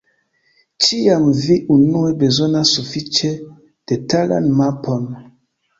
Ĉiam vi unue bezonas sufiĉe detalan mapon.